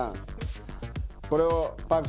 これを。